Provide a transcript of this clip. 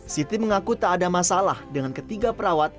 siti mengaku tak ada masalah dengan ketiga perawat